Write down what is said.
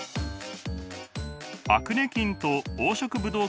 アクネ菌と黄色ブドウ